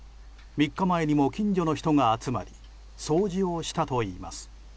３日前にも近所の人が集まり掃除をしたといいます。